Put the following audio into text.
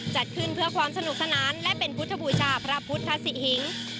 จัดขึ้นเพื่อความสนุกสนานและเป็นพุทธบูชาพระพุทธศิหิง